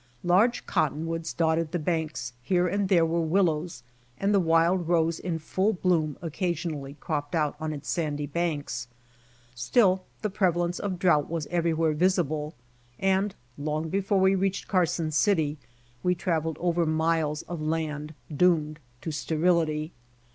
Large cottonwoods dotted the banks, here and there were willow^, and the wild rose in full bloom occa sionally cropped out on its sandy banks. Still the prevalence of drought was everywhere visible, and long before we reached Carson City we traveled over miles of land doomled to sterility.